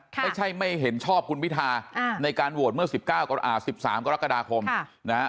ไม่ใช่ไม่เห็นชอบคุณพิธาในการโหวตเมื่อ๑๓กรกฎาคมนะฮะ